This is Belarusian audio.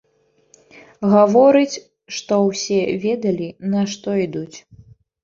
Гаворыць, што ўсе ведалі, на што ідуць.